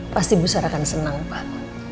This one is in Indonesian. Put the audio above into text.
pasti bu sarah akan senang pak